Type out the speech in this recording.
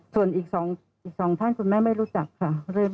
ส่วนอีกสองอีกสองท่านคุณแม่ไม่รู้จักค่ะ